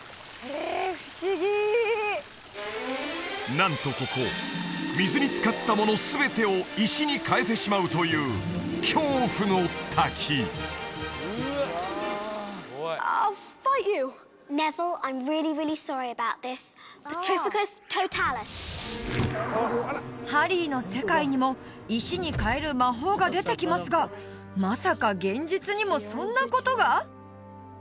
なんとここ水に漬かったもの全てを石に変えてしまうという恐怖の滝ハリーの世界にも石に変える魔法が出てきますがまさか現実にもそんなことが！？